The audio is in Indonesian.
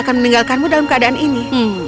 akan meninggalkanmu dalam keadaan ini